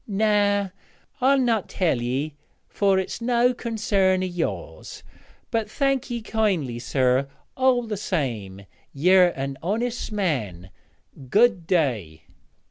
'Noä, I'll not tell ye, fur it's no concern o' yours; but thank ye kindly, sir, all the same. Yer an honest man. Good day.'